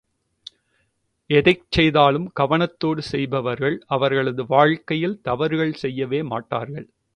எதைச் செய்தாலும் கவனத்தோடு செய்பவர்கள் அவர்களது வாழ்க்கையில் தவறுகள் செய்யவே மாட்டார்கள்.